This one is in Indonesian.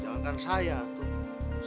jalankan saya tuh